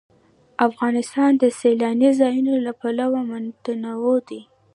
افغانستان د سیلانی ځایونه له پلوه متنوع دی.